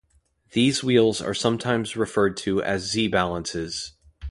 These wheels are sometimes referred to as "Z-balances".